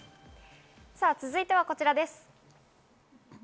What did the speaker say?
続いてはこちらです。